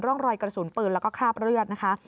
รอยกระสุนปืนแล้วก็คราบเลือดนะคะ